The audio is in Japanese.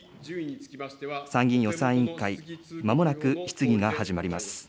参議院予算委員会、まもなく質疑が始まります。